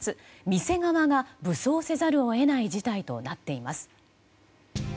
店側が武装せざるを得ない事態となっています。